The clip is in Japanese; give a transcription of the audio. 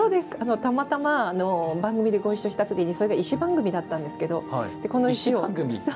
たまたま、番組でご一緒した時にそれが石番組だったんですけど。